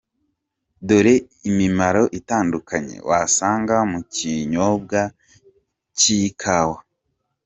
Dore imimaro itandukanye wasanga mu kinyobwa cy’ikawa.